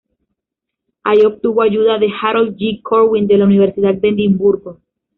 Ahí obtuvo ayuda de Harold G Corwin de la Universidad de Edimburgo.